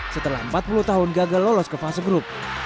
setelah empat puluh tahun gagal lolos ke fase grup